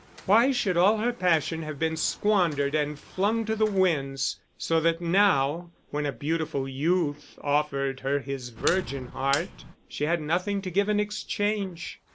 Why should all her passion have been squandered and flung to the winds, so that now when a beautiful youth offered her his virgin heart, she had nothing to give in exchange?